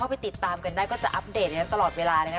ไปติดตามกันได้ก็จะอัปเดตอย่างนั้นตลอดเวลาเลยนะ